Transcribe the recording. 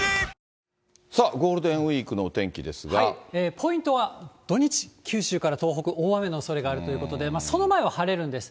ポイントは土日、九州から東北、大雨のおそれがあるということで、その前は晴れるんです。